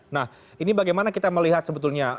nah ini bagaimana kita melihat sebetulnya